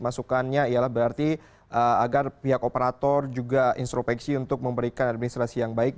masukannya ialah berarti agar pihak operator juga instropeksi untuk memberikan administrasi yang baik